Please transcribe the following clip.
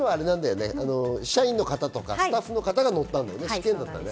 社員の方とかスタッフの方が乗ったんだよね。